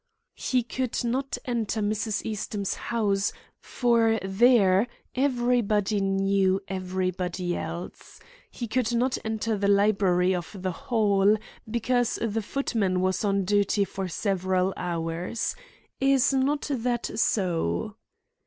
"He could not enter Mrs. Eastham's house, for there everybody knew everybody else. He could not enter the library of the Hall, because the footman was on duty for several hours. Is not that so?"